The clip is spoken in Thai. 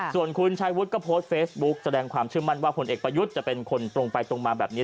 ส่วนคุณชายวุฒิก็โพสต์เฟซบุ๊กแสดงความเชื่อมั่นว่าผลเอกประยุทธ์จะเป็นคนตรงไปตรงมาแบบนี้